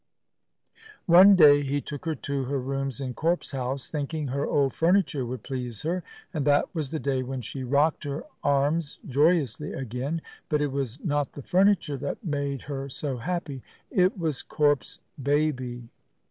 One day he took her to her rooms in Corp's house, thinking her old furniture would please her; and that was the day when she rocked her arms joyously again. But it was not the furniture that made her so happy; it was Corp's baby.